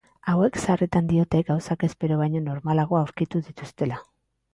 Hauek sarritan diote gauzak espero baino normalago aurkitu dituztela.